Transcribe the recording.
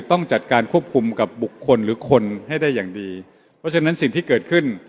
ต้องจัดการควบคุมกับบุคคลหรือคนให้ได้อย่างดีเพราะฉะนั้นสิ่งที่เกิดขึ้น